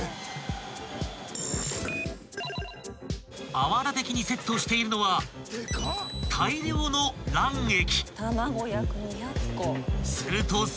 ［泡立て器にセットしているのは大量の卵液］